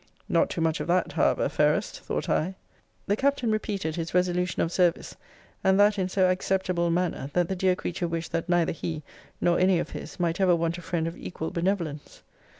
Not too much of that, however, fairest, thought I! The Captain repeated his resolution of service, and that in so acceptable a manner, that the dear creature wished that neither he, nor any of his, might ever want a friend of equal benevolence.